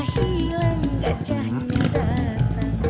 hilang gajahnya datang